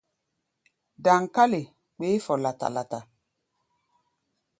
Daŋkále kpeé fɔ lata-lata.